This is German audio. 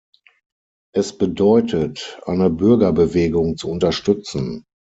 Es bedeutet, eine Bürgerbewegung zu unterstützen.